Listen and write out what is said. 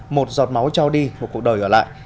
một giọt máu trao đi một cuộc đời ở lại